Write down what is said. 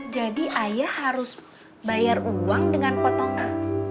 jadi ayah harus bayar uang dengan potongan